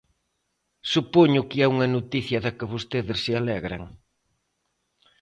Supoño que é unha noticia da que vostedes se alegran.